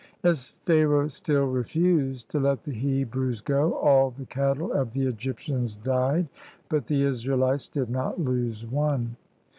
As Pharaoh still refused to let the Hebrews go, all the cattle of the Egyptians died; but the IsraeHties did not lose one.